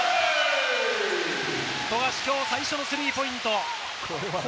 富樫、きょう最初のスリーポイント！